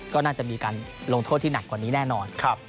ก็น่าจะมีการลงโทษที่หนักกว่านี้แน่นอน